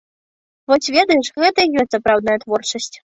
Вось ведаеш, гэта і ёсць сапраўдная творчасць.